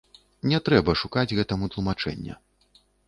Не трэба шукаць гэтаму тлумачэння.